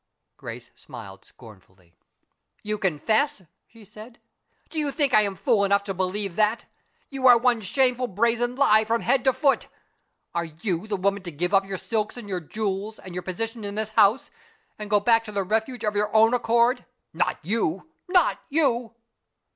Grace smiled scornfully. "You confess!" she said. "Do you think I am fool enough to believe that? You are one shameful brazen lie from head to foot! Are you the woman to give up your silks and your jewels, and your position in this house, and to go back to the Refuge of your own accord? Not you not you!"